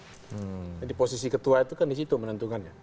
jadi posisi ketua itu kan disitu menentungannya